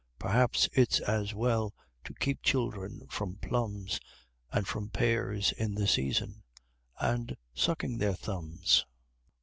Perhaps it's as well to keep children from plums, And from pears in the season, and sucking their thumbs!